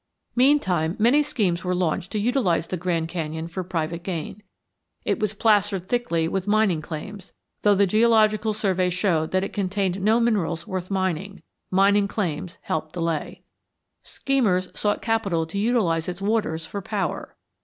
Meantime many schemes were launched to utilize the Grand Canyon for private gain. It was plastered thickly with mining claims, though the Geological Survey showed that it contained no minerals worth mining; mining claims helped delay. Schemers sought capital to utilize its waters for power.